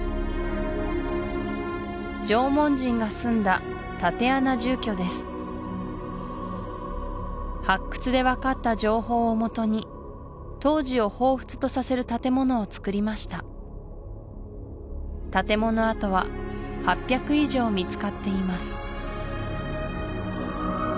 縄文人が住んだ発掘で分かった情報をもとに当時をほうふつとさせる建物をつくりました建物跡は８００以上見つかっています